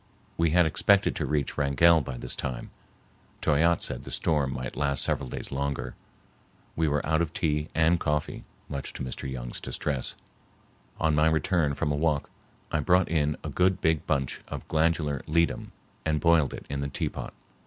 We had expected to reach Wrangell by this time. Toyatte said the storm might last several days longer. We were out of tea and coffee, much to Mr. Young's distress. On my return from a walk I brought in a good big bunch of glandular ledum and boiled it in the teapot.